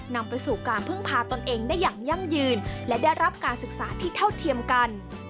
นำไปสู่การพึ่งพาตนเองได้อย่างยั่งยืนและได้รับการศึกษาที่เท่าเทียมกัน